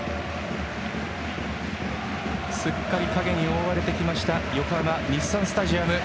すっかり影に覆われてきました横浜・日産スタジアム。